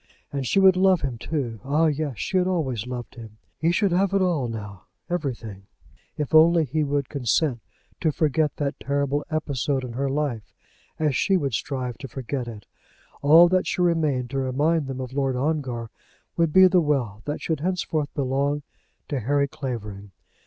And she would love him too. Ah, yes; she had always loved him! He should have it all now, everything, if only he would consent to forget that terrible episode in her life, as she would strive to forget it. All that should remain to remind them of Lord Ongar would be the wealth that should henceforth belong to Harry Clavering.